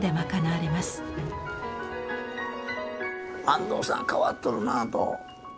安藤さん変わっとるなあと。